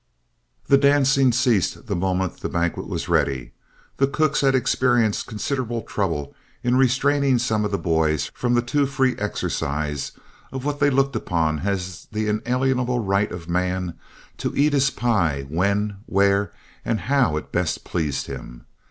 The dancing ceased the moment the banquet was ready. The cooks had experienced considerable trouble in restraining some of the boys from the too free exercise of what they looked upon as the inalienable right of man to eat his pie when, where, and how it best pleased him.